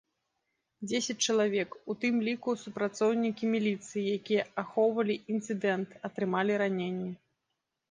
Дзесяць чалавек, у тым ліку супрацоўнікі міліцыі, якія ахоўвалі інцыдэнт, атрымалі раненні.